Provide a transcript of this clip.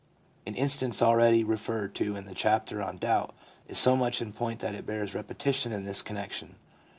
An instance already re ferred to in the chapter on Doubt is so much in point that it bears repetition in this connection.